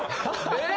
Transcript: えっ！？